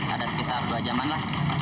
ada sekitar dua jaman lah